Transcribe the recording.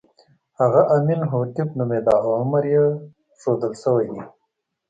هغه امین هوټېپ نومېده او عمر یې ښودل شوی دی.